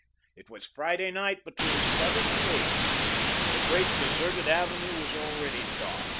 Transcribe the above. It was Friday night, between seven and eight. The great deserted avenue was already dark.